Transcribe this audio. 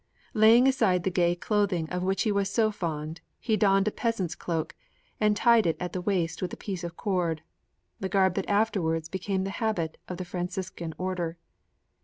Laying aside the gay clothing of which he was so fond, he donned a peasant's cloak and tied it at the waist with a piece of cord the garb that afterwards became the habit of the Franciscan Order.